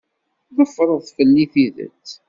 Teffreḍ fell-i tidet.